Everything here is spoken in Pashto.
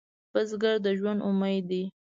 بزګر د ژوند امید دی